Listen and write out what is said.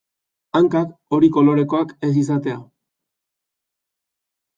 Hankak hori kolorekoak ez izatea.